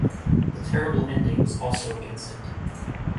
The terrible ending was also against it.